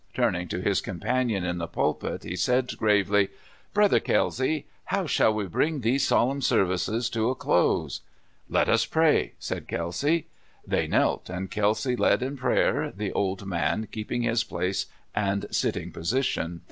Turning to his companion in the pulpit, he said gravely : ''^Brother Kelsay, how shall we bring these solemn services to a closef'' " Let us pray," said Kelsay. They knelt, and Kelsay led in prayer, the old man keeping his place and sitting position.